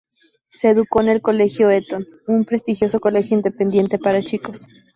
Se educó en el Colegio Eton, un prestigioso colegio independiente para chicos.